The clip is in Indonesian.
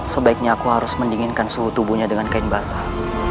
sebaiknya aku harus mendinginkan suhu tubuhnya dengan kain basah